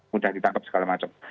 mudah ditangkep segala macam